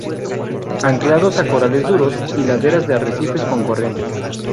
Anclados a corales duros y laderas de arrecifes con corrientes.